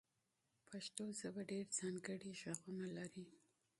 پښتو ژبه ډېر ځانګړي غږونه لري.